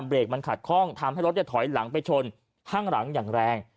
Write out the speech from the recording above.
เบรกมันขัดข้องทำให้รถถอยหลังไปชนข้างหลังอย่างแรง